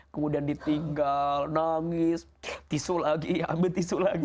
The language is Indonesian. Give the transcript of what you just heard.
kemudian ditinggal nangis tisu lagi ambil tisu lagi